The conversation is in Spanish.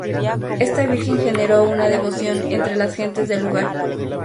Esta Virgen generó una devoción entre las gentes del lugar.